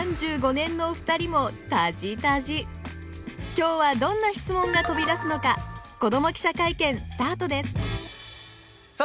今日はどんな質問が飛び出すのか子ども記者会見スタートですさあ